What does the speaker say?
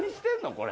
これ。